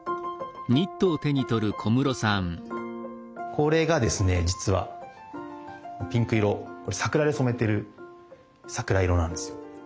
これがですね実はピンク色これ桜で染めてる桜色なんですよ。